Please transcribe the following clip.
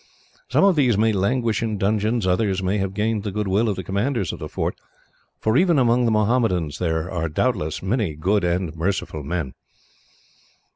Some of these may languish in dungeons, others may have gained the goodwill of the commanders of the fort for even among the Mohammedans there are doubtless many good and merciful men.